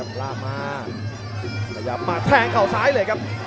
พยายามมาแทงเขาซ้ายเลยครับ